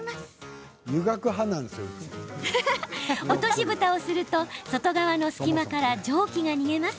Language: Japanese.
落としぶたをすると外側の隙間から蒸気が逃げます。